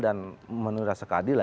dan menurut saya keadilan